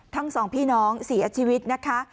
ทั้งสองพี่น้องเสียชีวิตนะคะ